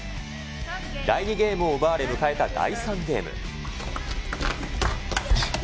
第２ゲームを奪われ迎えた第３ゲーム。